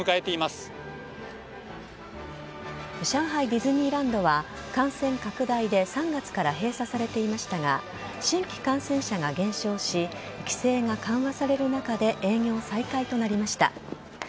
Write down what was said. ディズニーランドは感染拡大で３月から閉鎖されていましたが新規感染者が減少し規制が緩和される中で営業再開となりました。